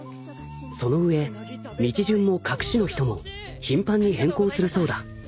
［その上道順も隠の人も頻繁に変更するそうだ］